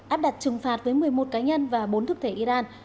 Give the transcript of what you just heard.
áp đặt trừng phạt với một mươi một cá nhân và bốn thức thể iran